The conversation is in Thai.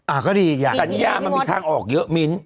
อ่าก็ดีอยากอีกอย่างมีทางออกเยอะมิ้นทร์